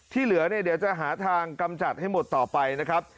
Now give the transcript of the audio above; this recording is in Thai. เหลือเนี่ยเดี๋ยวจะหาทางกำจัดให้หมดต่อไปนะครับ